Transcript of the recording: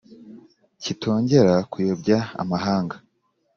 Kitongera kuyobya amahanga